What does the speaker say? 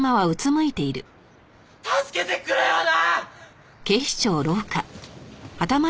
助けてくれよな！